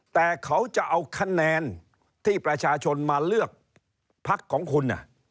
แต่เขาจะเอาคะแนนที่ประชาชนมาเลือกพักของคุณ